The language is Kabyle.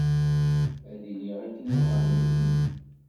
Ad iliɣ akken i bɣan nutni.